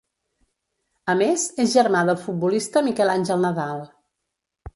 A més, és germà del futbolista Miquel Àngel Nadal.